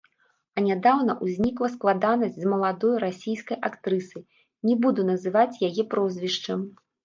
А нядаўна ўзнікла складанасць з маладой расійскай актрысай, не буду называць яе прозвішча.